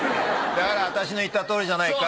だから私の言ったとおりじゃないか。